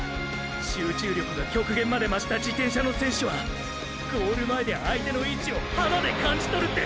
集中力が極限まで増した自転車の選手はゴール前で相手の位置を“肌”で感じとるって！！